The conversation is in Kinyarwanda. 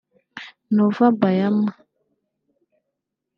Nova Bayama